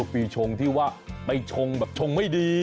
ปีชงที่ว่าไปชงแบบชงไม่ดี